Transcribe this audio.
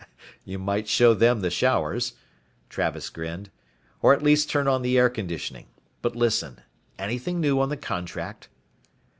"You might show them the showers," Travis grinned. "Or at least turn on the air conditioning. But listen, anything new on the contract?"